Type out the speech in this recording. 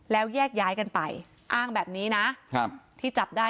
แล้วแยกย้ายกันไปอ้างแบบนี้นะครับที่จับได้